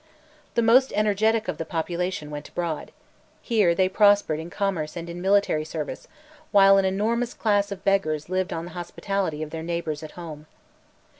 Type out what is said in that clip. The most energetic of the population went abroad, here they prospered in commerce and in military service, while an enormous class of beggars lived on the hospitality of their neighbours at home.